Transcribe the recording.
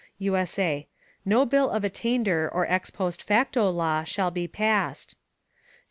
[USA] No Bill of Attainder or ex post facto Law shall be passed.